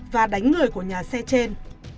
và đánh người của nhà xe trên